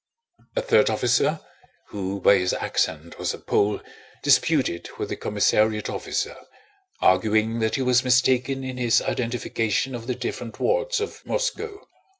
A third officer, who by his accent was a Pole, disputed with the commissariat officer, arguing that he was mistaken in his identification of the different wards of Moscow.